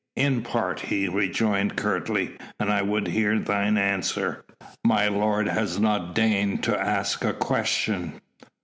"In part," he rejoined curtly, "and I would hear thine answer." "My lord has not deigned to ask a question?"